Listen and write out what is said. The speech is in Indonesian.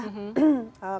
karena lagunya sudah